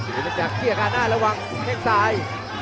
ยุติจักรเกี่ยวกับหน้าระวังแค่ข้างซ้าย